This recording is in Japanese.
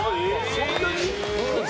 そんなに？